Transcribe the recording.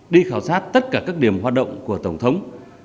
đi khảo sát tất cả các điểm hoạt động của tổng thống